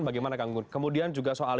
bagaimana kang gun kemudian juga soal